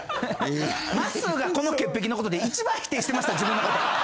まっすーがこの潔癖のことで一番否定してました自分の事。